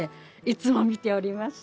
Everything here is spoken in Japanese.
いつも見ております。